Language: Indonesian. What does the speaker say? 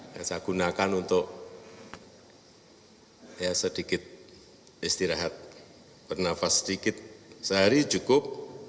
yang saya gunakan untuk sedikit istirahat bernafas sedikit sehari cukup